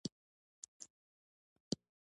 ملي ژبه